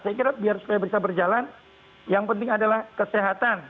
saya kira biar supaya bisa berjalan yang penting adalah kesehatan